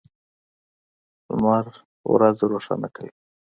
لمر ورځ روښانه کوي.